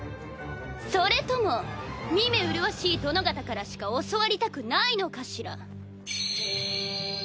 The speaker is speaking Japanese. それとも見目麗しい殿方からしか教わりたくないのかしら？